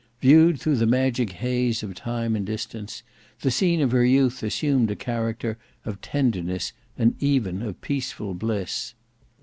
Viewed through the magic haze of time and distance, the scene of her youth assumed a character of tenderness and even of peaceful bliss.